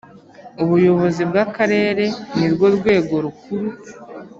Ubuyobozi bw’Akarere ni rwo rwego rukuru